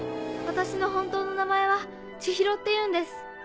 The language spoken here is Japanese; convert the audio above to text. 私の本当の名前は千尋っていうんです。